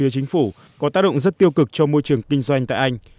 như chính phủ có tác động rất tiêu cực cho môi trường kinh doanh tại anh